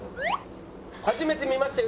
初めて見ましたよ